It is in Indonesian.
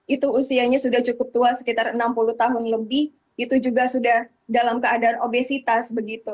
itu usianya sudah cukup tua sekitar enam puluh tahun lebih itu juga sudah dalam keadaan obesitas begitu